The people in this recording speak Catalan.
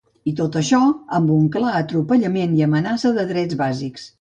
I tot això amb un clar atropellament i amenaça de drets bàsics.